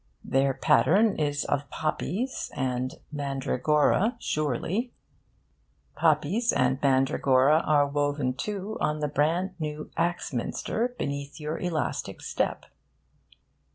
their pattern is of poppies and mandragora, surely. Poppies and mandragora are woven, too, on the brand new Axminster beneath your elastic step.